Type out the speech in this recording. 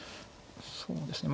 そうですね。